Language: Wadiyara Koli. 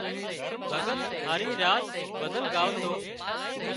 ڀڳت هاري راڇ ڀزن ڳاوتو